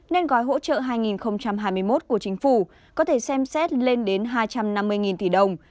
nên gói hỗ trợ hai nghìn hai mươi một của chính phủ có thể xem xét lên đến hai trăm năm mươi tỷ đồng